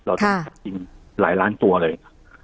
เราจะกินหลายล้านตัวเลย